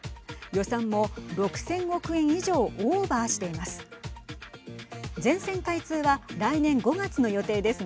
予算も６０００億円以上オーバーしています。